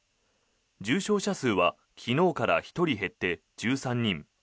重症者数は昨日から１人減って１３人。